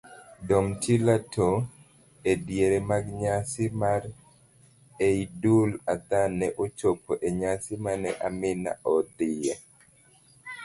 Domtila to ediere mag nyasi mar eidul Adhaa ne ochopo enyasi mane Amina odhiye.